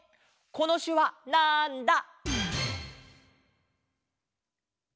このしゅわなんだ？